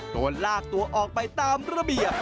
โดนลากตัวออกไปตามระเบียบ